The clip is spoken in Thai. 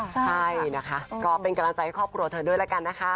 ใช่นะคะก็เป็นกำลังใจให้ครอบครัวเธอด้วยแล้วกันนะคะ